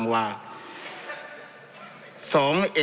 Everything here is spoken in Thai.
จำนวนเนื้อที่ดินทั้งหมด๑๒๒๐๐๐ไร่